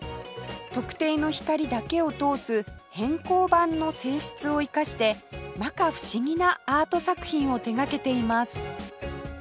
特定の光だけを通す偏光板の性質を生かして摩訶不思議なアート作品を手掛けています